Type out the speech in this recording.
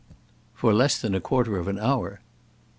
"For less than a quarter of an hour."